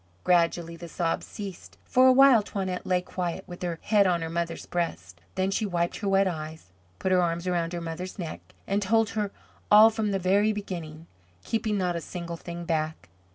Gradually the sobs ceased. For a while Toinette lay quiet, with her head on her mother's breast. Then she wiped her wet eyes, put her arms around her mother's neck, and told her all from the very beginning, keeping not a single thing back.